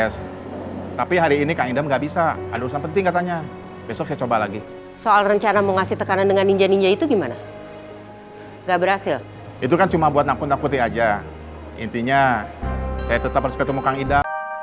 seharusnya saya tetap harus ketemu kang ida